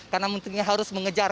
karena harus mengejar